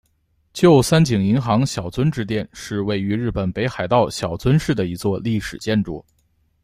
旧三井银行小樽支店是位于日本北海道小樽市的一座历史建筑。